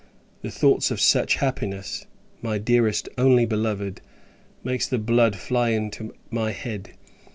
The thoughts of such happiness, my dearest only beloved, makes the blood fly into my head.